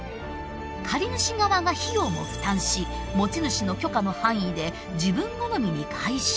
借り主側が費用も負担し持ち主の許可の範囲で自分好みに改修。